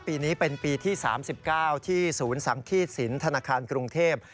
ปีนี้เป็นปีที่๓๙ที่ศูนย์สังฆีตสินธนาคารกรุงเทพ